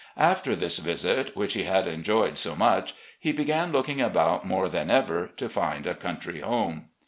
After this visit, which he had enjoyed so much, he began looking about more than ever to find a country home.